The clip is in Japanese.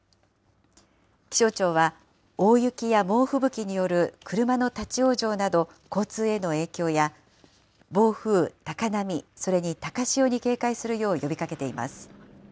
気象庁は、大雪や猛吹雪による車の立往生など、交通への影響や、暴風、高波、それに高潮に警戒するよう呼びかけています。